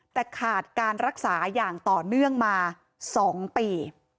แต่ขาดการรักษาอย่างต่อเนื่องมา๒ปี